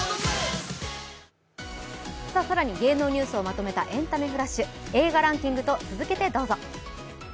更に芸能ニュースをまとめたエンタメフラッシュ映画ランキングと続けてどうぞ。